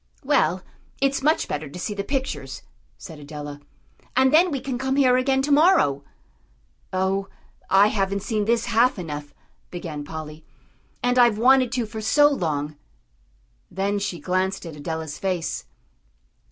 "Well, it's much better to see the pictures," said Adela. "And then we can come here again to morrow." "Oh, I haven't seen this half enough," began Polly, "and I've wanted to for so long." Then she glanced at Adela's face.